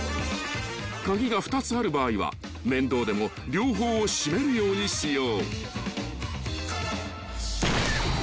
［鍵が２つある場合は面倒でも両方を締めるようにしよう］